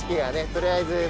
とりあえずもう。